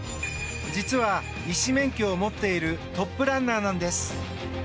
実は医師免許を持っているトップランナーなんです。